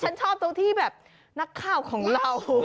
ฉันชอบตรงที่แบบนักข่าวของเรา